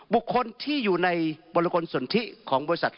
บุคคลที่อยู่ในบรกลสนทิของบริษัท